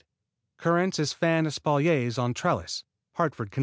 38 CURRANTS AS FAN ESPALIERS ON TRELLIS, HARTFORD, CONN.